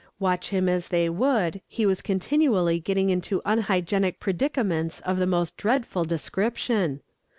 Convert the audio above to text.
Watch him as they would, he was continually getting into unhygienic predicaments of the most dreadful description.